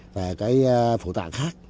và cái phổ tạng khác